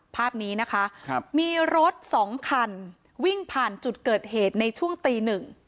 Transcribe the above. ภาพนี้นะคะครับมีรถสองคันวิ่งผ่านจุดเกิดเหตุในช่วงตีหนึ่ง